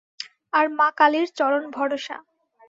আর মা কালীর চরণ ভরসা।